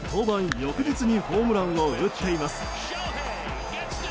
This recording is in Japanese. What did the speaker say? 翌日にホームランを打っています。